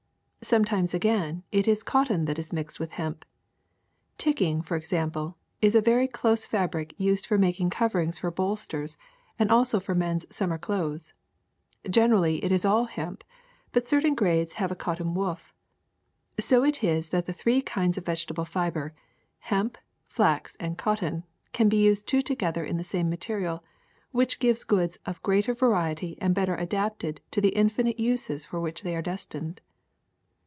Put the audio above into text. Sometimes, again, it is cotton that is mixed with hemp. Ticking, for example, is a very close fabric used for making coverings for bolsters and also men's summer clothes. Generally it is all hemp, but certain grades have a cotton woof. So it is that the three kinds of vegetable fiber — hemp, flax and cotton — can be used two together in the same material, which gives goods of greater variety and better adapted to the infinite uses for which they are destined.